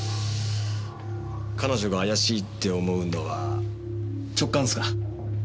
彼女が怪しいって思うのは直感っすか？